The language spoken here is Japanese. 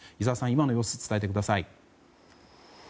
今の様子を伝えてください。